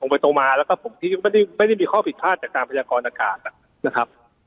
ผมไปโตมาแล้วก็ไม่ได้มีข้อผิดพลาดจากการพยากรณกาศนะครับ